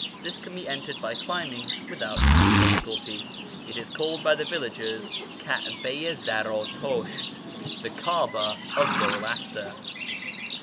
This can be entered by climbing with out much difficulty. It is called by the villagers Kaha i Zardtusht {" the Caaba of Zoroaster").